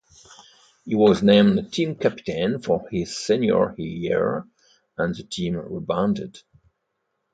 He was named team captain for his senior year and the team rebounded.